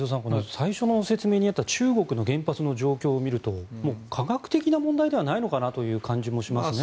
最初の説明にあった中国の原発の状況を見るともう科学的な問題ではないのかなという感じがしますね。